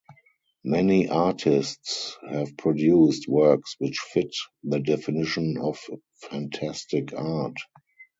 Many artists have produced works which fit the definition of fantastic art.